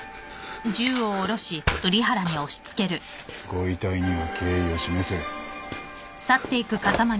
ご遺体には敬意を示せ。